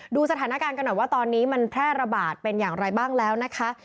ดูสถานการณ์กันหน่อยว่าตอนนี้มันแพร่ระบาดเป็นอย่างไรบ้างแล้วนะคะ